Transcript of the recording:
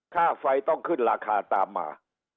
ค่าไฟต้องขึ้นราคาตามมา